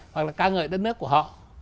hoặc là ca ngợi đất nước của họ